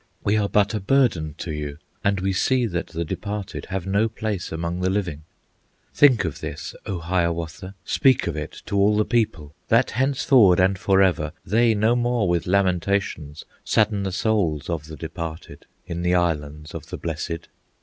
We are but a burden to you, And we see that the departed Have no place among the living. "Think of this, O Hiawatha! Speak of it to all the people, That henceforward and forever They no more with lamentations Sadden the souls of the departed In the Islands of the Blessed.